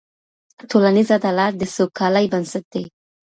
ټولنيز عدالت د سوکالۍ بنسټ دی.